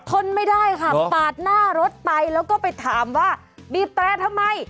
ทนไม่ได้ค่ะปาดหน้ารถไปแล้วก็ไปถามว่าบีบแตรทำไม